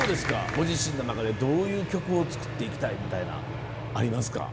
ご自身の中でどういう曲を作って行きたいみたいなんありますか？